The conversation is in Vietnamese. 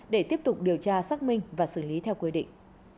để tiếp tục điều tra xác minh và xử lý theo quy định